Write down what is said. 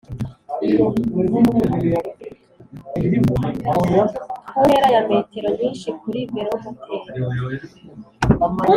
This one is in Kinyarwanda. ku ntera ya metero nyinshi kuri velomoteri.